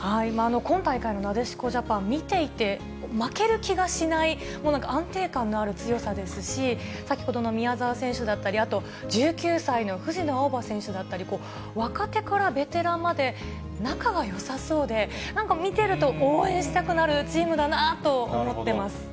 今大会のなでしこジャパン、見ていて、負ける気がしない、もうなんか安定感のある強さですし、先ほどの宮澤選手だったり、あと１９歳の藤野あおば選手だったり、若手からベテランまで、仲がよさそうで、なんか見てると応援したくなるチームだなと思ってます。